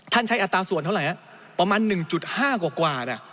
ท่านใช้อัตราส่วนเท่าไหร่ประมาณหนึ่งจุดห้ากว่ากว่าเนี่ย